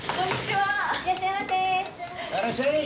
はいいらっしゃい！